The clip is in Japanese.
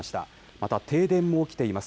また停電も起きています。